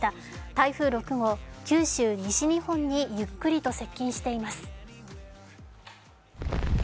台風６号、九州、西日本にゆっくりと接近しています。